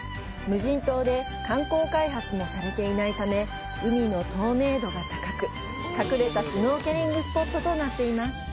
無人島で、観光開発もされていないため、海の透明度が高く、隠れたシュノーケリングスポットとなっています。